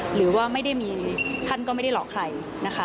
หรือว่าไม่ได้มีท่านก็ไม่ได้หลอกใครนะคะ